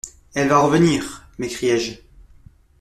«Elle va revenir !» m'écriai-je.